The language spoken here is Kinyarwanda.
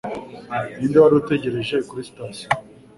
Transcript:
Ninde wari utegereje kuri sitasiyo?